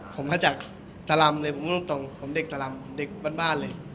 ผมมาจากตรำผมเรื่องตรงผมเด็กตรำผมเด็กบ้านเลย